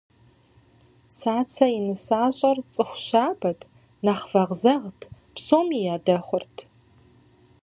Цацэ и нысащӏэр цӏыху щабэт, нэхъ вэгъзэгът, псоми ядэхъурт.